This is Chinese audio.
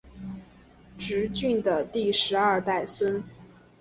挚峻的第十二代孙。